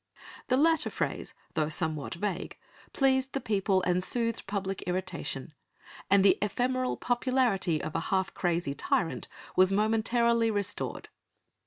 The latter phrase, though somewhat vague, pleased the people and soothed public irritation, and the ephemeral popularity of a half crazy tyrant was momentarily restored.